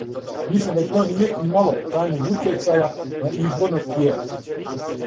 Мислим да то није имало трајног утјецаја на изборно тијело.